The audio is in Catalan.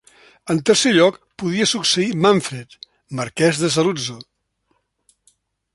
En tercer lloc podia succeir Manfred, marquès de Saluzzo.